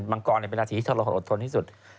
มังกรเนี่ยเป็นราศีที่ชอบรอดทนที่สุด